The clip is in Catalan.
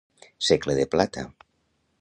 Segle de plata.